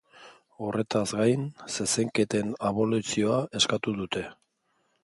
Horretaz gain, zezenketen abolizioa eskatu dute.